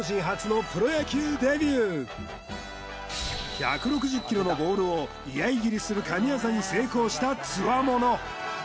１６０キロのボールを居合斬りする神業に成功した強者！